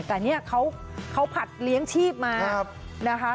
แต่เนี่ยเขาผัดเลี้ยงชีพมานะคะ